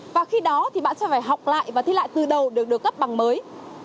và khi đó thì bạn sẽ phải học lại và thi lại từ đầu đều được cấp bằng mới